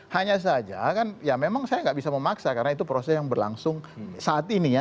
hanya saja kan ya memang saya nggak bisa memaksa karena itu proses yang berlangsung saat ini ya